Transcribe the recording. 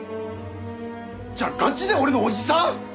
じゃあガチで俺のおじさん！？